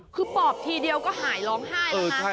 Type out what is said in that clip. คือปอบทีเดียวก็หายร้องไห้นะคะ